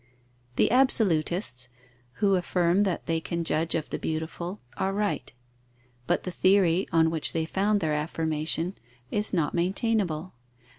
The absolutists, who affirm that they can judge of the beautiful, are right; but the theory on which they found their affirmation is not maintainable.